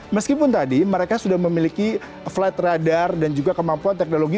meskipun tadi mereka sudah memiliki flight radar dan juga kemampuan teknologi